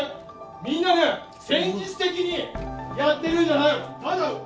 みんなね戦術的にやってるんじゃないよ！